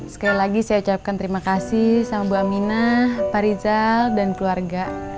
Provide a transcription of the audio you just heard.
sekali lagi saya ucapkan terima kasih sama bu aminah pak rizal dan keluarga